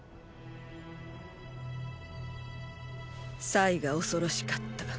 “祭”が恐ろしかった。